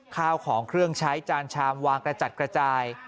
ข้าวของเครื่องใช้จานชามวางกระจัดกระจาย